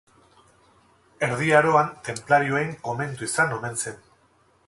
Erdi Aroan tenplarioen komentu izan omen zen.